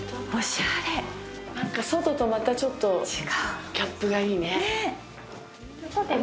なんか外とまたちょっとギャップがいいね。